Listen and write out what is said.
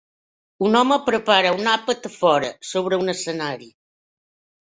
Un home prepara un àpat a fora, sobre un escenari.